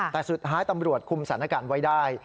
แต่สุดท้ายตำรวจคุมสถานการณ์ไว้ได้